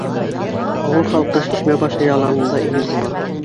Ауыл халҡы Шишмә башы яланында иген һуға.